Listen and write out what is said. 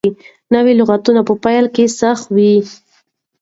نوي لغتونه په پيل کې سخت وي.